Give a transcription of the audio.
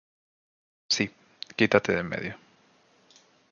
Si, quitate de en medio.